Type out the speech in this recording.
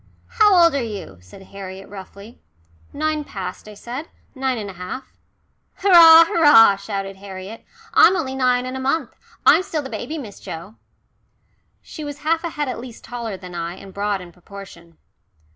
"How old are you?" said Harriet roughly. "Nine past," I said. "Nine and a half." "Hurrah! Hurrah!" shouted Harriet. "I'm only nine and a month. I'm still the baby, Miss Joe." She was half a head at least taller than I, and broad in proportion.